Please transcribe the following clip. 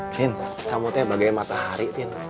tin kamu terlihat bagai matahari tin